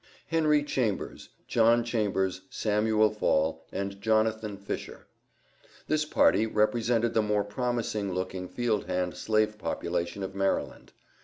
Henry Chambers, John Chambers, Samuel Fall, and Jonathan Fisher. This party represented the more promising looking field hand slave population of Maryland.